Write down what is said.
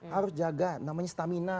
harus jaga namanya stamina